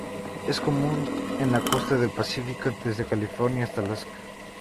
Es común en la costa del Pacífico desde California hasta Alaska.